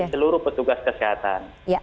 seluruh petugas kesehatan